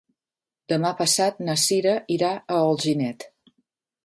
Demà passat na Cira irà a Alginet.